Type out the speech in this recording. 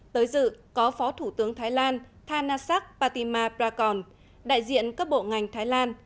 tới dự có phó thủ tướng thái lan thanasak patimaprakorn đại diện các bộ ngành thái lan